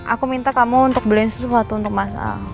aku minta kamu untuk beliin sesuatu untuk masalah